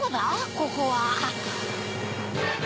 ここは。